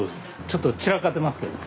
ちょっと散らかってますけど。